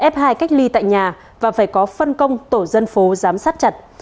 f hai cách ly tại nhà và phải có phân công tổ dân phố giám sát chặt